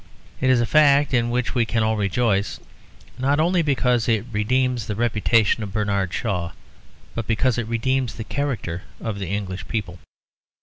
It is a fact in which we can all rejoice, not only because it redeems the reputation of Bernard Shaw, but because it redeems the character of the English people.